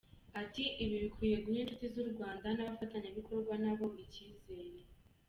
Ati “Ibi bikwiye guha inshuti z’u Rwanda n’abafatanyabikorwa na bo icyizere.